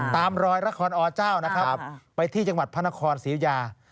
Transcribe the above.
ตามรอยละครอเจ้านะครับไปที่จังหวัดพระนครศรียุยา